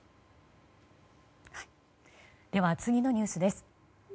では、次のニュースです。